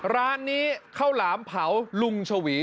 ร้านนี้ข้าวหลามเผาลุงชวี